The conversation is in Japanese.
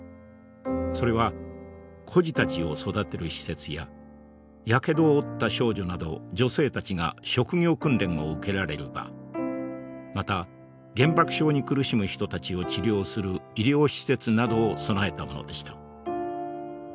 それは孤児たちを育てる施設ややけどを負った少女など女性たちが職業訓練を受けられる場また原爆症に苦しむ人たちを治療する医療施設などを備えたものでした。